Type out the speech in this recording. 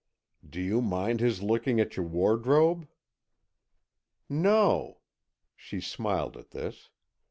"Do you mind his looking at your wardrobe?" "No," she smiled at this.